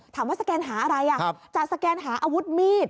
สแกนหาอะไรจะสแกนหาอาวุธมีด